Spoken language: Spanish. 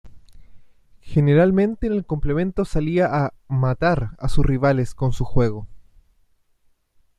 Generalmente en el complemento salía a "matar" a sus rivales con su juego.